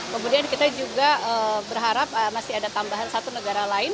kemudian kita juga berharap masih ada tambahan satu negara lain